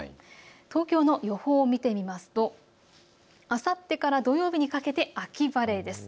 東京の予報を見てみますとあさってから土曜日にかけて秋晴れです。